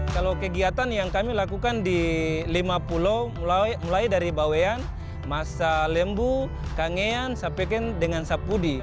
kalau kegiatan yang kami lakukan di lima pulau mulai dari bawean masa lembu kangean sampai dengan sapudi